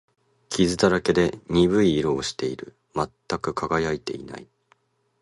傷だらけで、鈍い色をしている。全く輝いていない。